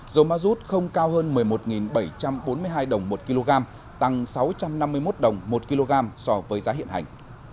dầu ma rút không cao hơn một mươi một bảy trăm bốn mươi hai đồng một kg tăng sáu trăm năm mươi một đồng một kg so với giá hiện hành